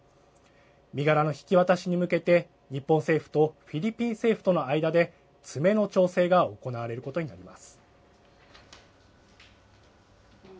身柄の引き渡しに向けて、日本政府とフィリピン政府との間で、詰めの調整が行われることになります。